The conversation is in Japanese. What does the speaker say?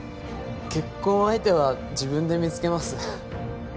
結婚相手は自分で見つけます。